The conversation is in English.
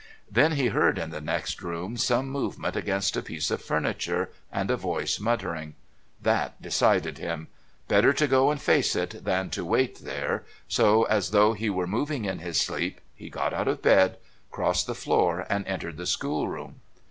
Then he heard in the next room some movement against a piece of furniture and a voice muttering. That decided him: better to go and face it than to wait there, so as though he were moving in his sleep, he got out of bed, crossed the floor and entered the schoolroom.